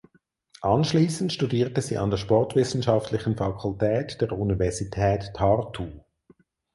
Anschließend studierte sie an der Sportwissenschaftlichen Fakultät der Universität Tartu.